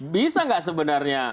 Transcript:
bisa nggak sebenarnya